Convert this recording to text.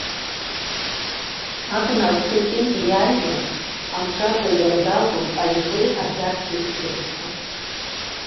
Абна агәҭахьынтәи иааҩуан амҿаӡа иардагәоз аихеи ахьархьи рышьҭыбжьқәа.